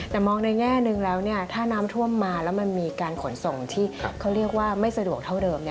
แต่มองในแง่นึงแล้วถ้าน้ำท่วมมาแล้วมันมีการขนส่งที่เขาเรียกว่าไม่สะดวกเท่าเดิม